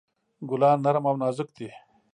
ګلان نرم او نازک دي.